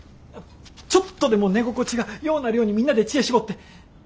ちょっとでも寝心地がようなるようにみんなで知恵絞って。